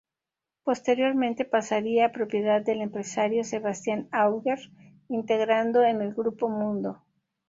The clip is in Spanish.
Posteriormente pasaría a propiedad del empresario Sebastián Auger, integrando en el Grupo Mundo.